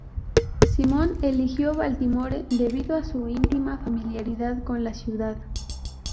Simon eligió Baltimore debido a su íntima familiaridad con la ciudad.